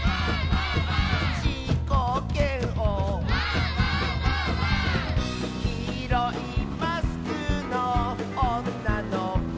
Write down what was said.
「じーこーけんお」「きいろいマスクのおんなのこ」